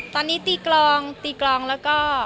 ตอนนี้ตีกลองตีกลองแล้วก็